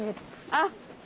あっ！